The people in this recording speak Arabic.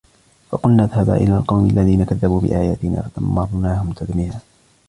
فَقُلْنَا اذْهَبَا إِلَى الْقَوْمِ الَّذِينَ كَذَّبُوا بِآيَاتِنَا فَدَمَّرْنَاهُمْ تَدْمِيرًا